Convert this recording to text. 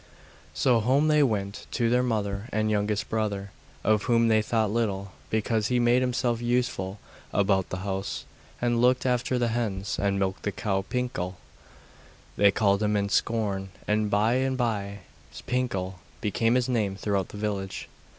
So home they went to their mother and youngest brother, of whom they thought little, because he made himself useful about the house, and looked after the hens, and milked the cow. 'Pinkel,' they called him in scorn, and by and by 'Pinkel' became his name throughout the village.